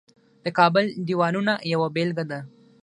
د کابل دیوالونه یوه بیلګه ده